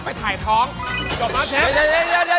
ไปถ่ายท้องจบแล้วเชฟ